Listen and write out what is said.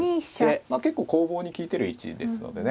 結構攻防に利いてる位置ですのでね。